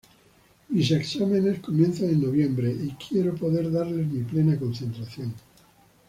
Mis exámenes comienzan en noviembre y quiero poder darles mi plena concentración".